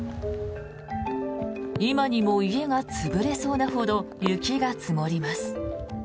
今にも家が潰れそうなほど雪が積もります。